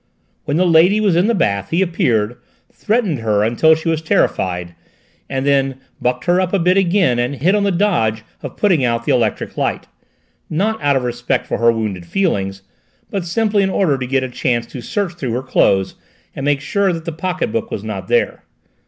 When the lady was in the bath he appeared, threatened her, until she was terrified, and then bucked her up a bit again and hit on the dodge of putting out the electric light not out of respect for her wounded feelings, but simply in order to get a chance to search through her clothes and make sure that the pocket book was not there.